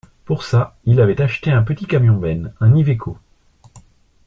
Pour ça il avait acheté un petit camion benne, un Iveco.